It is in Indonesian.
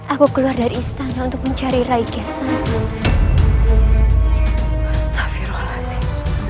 aku keluar dari istana untuk mencari raiketsan